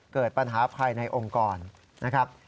เกิดปัญหาภายในองค์กรนะครับ